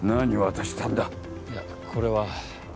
いやこれは。